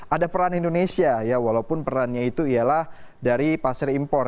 ada peran indonesia ya walaupun perannya itu ialah dari pasar impor